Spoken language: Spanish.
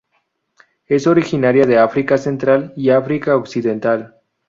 Es originaria de África central y África occidental.